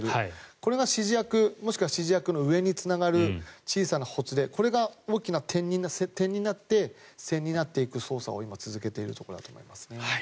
これが指示役もしくは指示役の上につながる小さなほつれこれが大きな点になって線になっていく捜査を今、続けているところだと思います。